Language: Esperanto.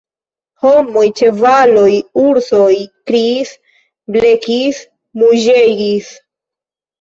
Homoj, ĉevaloj, ursoj kriis, blekis, muĝegis.